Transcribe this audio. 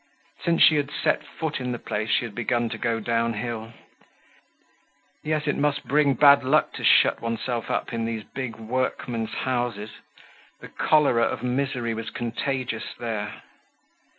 Since she had set foot in the place she had begun to go down hill. Yes, it must bring bad luck to shut oneself up in these big workmen's houses; the cholera of misery was contagious there.